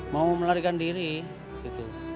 mau melarikan diri gitu